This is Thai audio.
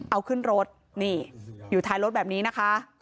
เอาขึ้นรถนี่อยู่ท้ายรถแบบนี้นะคะ